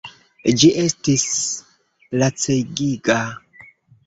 Ĝi estis lacegiga!